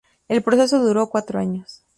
El proceso duró cuatro años.